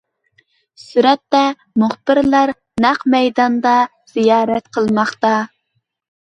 سۈرەتتە: مۇخبىرلار نەق مەيداندا زىيارەت قىلماقتا.